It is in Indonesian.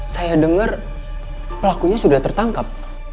saya dengar pelakunya sudah tertangkap